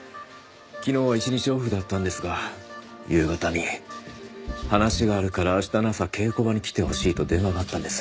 昨日は一日オフだったんですが夕方に「話があるから明日の朝稽古場に来てほしい」と電話があったんです。